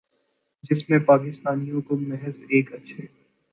جس میں پاکستانیوں کو محض ایک اچھے